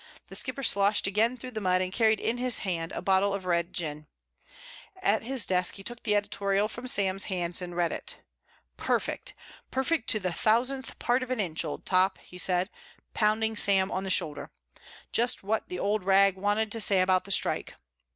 The Skipper sloshed again through the mud and carried in his hand a bottle of red gin. At his desk he took the editorial from Sam's hands and read it. "Perfect! Perfect to the thousandth part of an inch, Old Top," he said, pounding Sam on the shoulder. "Just what the Old Rag wanted to say about the strike."